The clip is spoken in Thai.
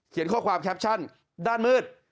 ข้อความแคปชั่นด้านมืด